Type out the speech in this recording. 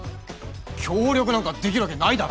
協力なんかできるわけないだろ。